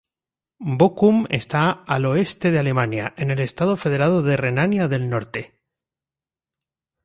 Bochum está al oeste de Alemania, en el estado federado de Renania del Norte.